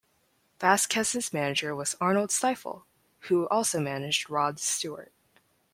Vazquez's manager was Arnold Stiefel, who also managed Rod Stewart.